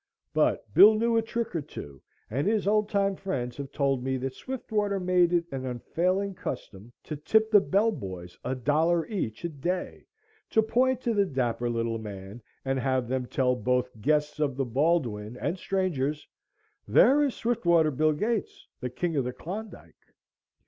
But Bill knew a trick or two and his old time friends have told me that Swiftwater made it an unfailing custom to tip the bell boys a dollar each a day to point to the dapper little man and have them tell both guests of the Baldwin and strangers: "There is Swiftwater Bill Gates, the King of the Klondike."